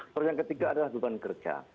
terus yang ketiga adalah beban kerja